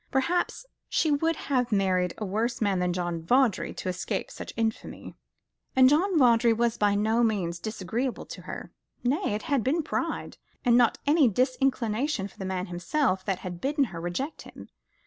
Perhaps she would have married a worse man than John Vawdrey to escape such infamy. And John Vawdrey was by no means disagreeable to her; nay, it had been pride, and not any disinclination for the man himself that had bidden her reject him.